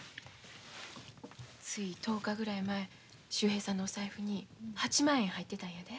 つい１０日ぐらい前秀平さんのお財布に８万円入ってたんやで。